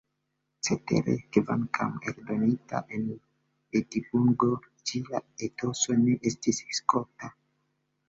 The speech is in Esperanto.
Cetere, kvankam eldonita en Edinburgo, ĝia etoso ne estis skota.